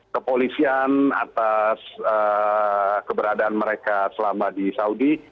kepolisian atas keberadaan mereka selama di saudi